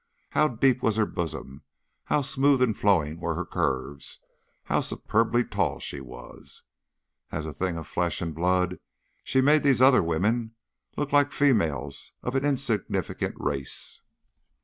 How deep was her bosom, how smooth and flowing were her curves, how superbly tall she was! As a thing of flesh and blood, she made these other women look like females of an insignificant race.